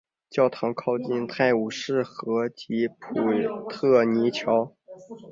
教堂靠近泰晤士河及普特尼桥。